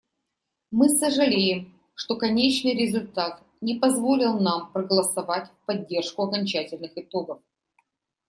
Мы сожалеем, что конечный результат не позволил нам проголосовать в поддержку окончательных итогов.